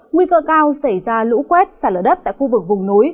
nguy cơ cao xảy ra lũ quét xả lở đất tại khu vực vùng núi